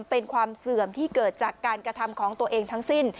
เป็นความเสื่อมที่เกิดจากการกระทำของตัวเองทั้งสิ้น